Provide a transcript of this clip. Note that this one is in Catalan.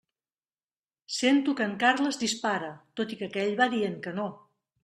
Sento que en Carles dispara, tot i que aquell va dient que no.